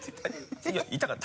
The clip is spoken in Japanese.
今痛かった。